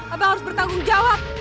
abang harus bertanggung jawab